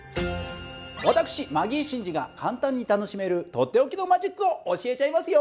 私マギー審司が簡単に楽しめるとっておきのマジックを教えちゃいますよ。